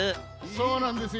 そうなんですよ。